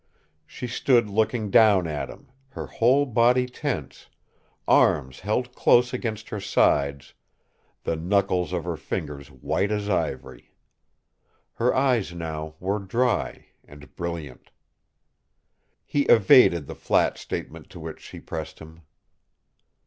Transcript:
She stood looking down at him, her whole body tense, arms held close against her sides, the knuckles of her fingers white as ivory. Her eyes now were dry, and brilliant. He evaded the flat statement to which she pressed him.